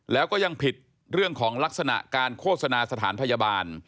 แล้วก็ยังผิดเรื่องของลักษณะการโฆษณาสถานพยาบาล